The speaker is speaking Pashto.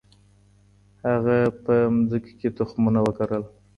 هغه په مځکي کي تخمونه وکرل.